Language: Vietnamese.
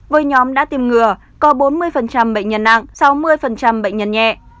với nhóm đã tìm ngừa có bốn mươi bệnh nhân nặng sáu mươi bệnh nhân nhẹ